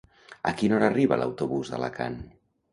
A quina hora arriba l'autobús d'Alacant?